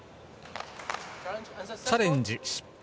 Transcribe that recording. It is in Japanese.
チャレンジ失敗。